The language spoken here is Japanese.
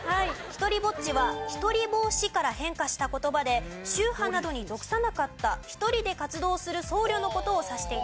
ひとりぼっちは独り法師から変化した言葉で宗派などに属さなかった一人で活動する僧侶の事を指していたそうです。